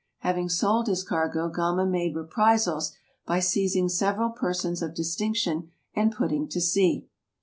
Having sold his cargo Gama made reprisals by seizing several persons of distinction and put ting to sea.